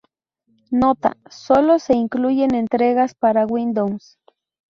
Nota: Sólo se incluyen entregas para Windows.